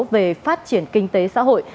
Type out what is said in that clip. về phát triển kinh tế xã hội